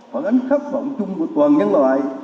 phản ánh khát vọng chung của toàn nhân loại